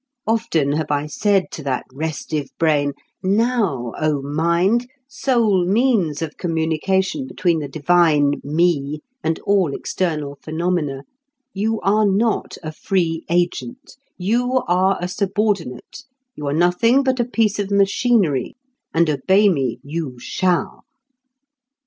Often have I said to that restive brain: "Now, O mind, sole means of communication between the divine me and all external phenomena, you are not a free agent; you are a subordinate; you are nothing but a piece of machinery; and obey me you shall."